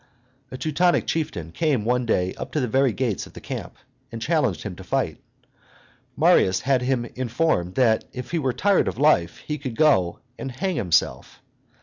A Teutonic chieftain came one day up to the very gates of the camp, and challenged him to fight. Marius had him informed that if he were tired of life he could go and hang himself.